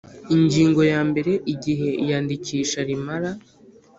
Ingingo ya mbere Igihe iyandikisha rimara